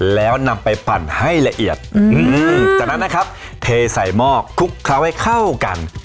แล้วนำไปปั่นให้ละเอียดจากนั้นนะครับเทใส่หม้อคลุกเคล้าให้เข้ากัน